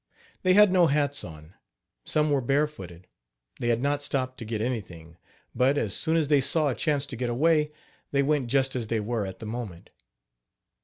They had no hats on; some were bare footed, they had not stopped to get anything; but, as soon as they saw a chance to get away, they went just as they were at the moment.